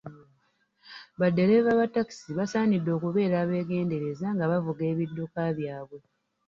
Baddereeva ba ttakisi bassanidde okubeera abegendereza nga bavuga ebidduka byabwe.